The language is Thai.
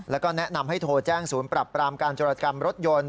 แล้วก็แนะนำให้โทรแจ้งศูนย์ปรับปรามการจรกรรมรถยนต์